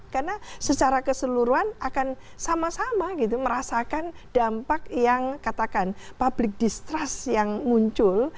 karena secara keseluruhan akan sama sama gitu merasakan dampak yang katakan public distrust yang muncul